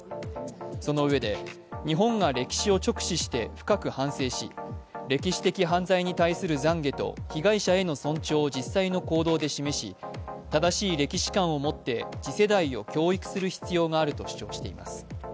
そのうえで、日本が歴史を直視して深く反省し歴史的犯罪に対する懺悔と被害者への尊重を実際の行動で示し、正しい歴史観を持って次世代を教育する必要があると主張しています。